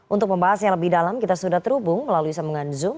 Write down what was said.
untuk membahas yang lebih dalam kita sudah terhubung melalui sambungan zoom